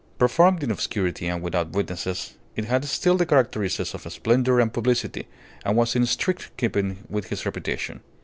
Performed in obscurity and without witnesses, it had still the characteristics of splendour and publicity, and was in strict keeping with his reputation.